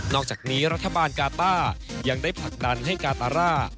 อกจากนี้รัฐบาลกาต้ายังได้ผลักดันให้กาตาร่า